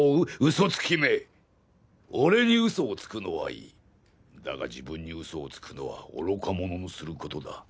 嘘つきめ俺に嘘をつくのはいいだが自分に嘘をつくのは愚か者のすることだ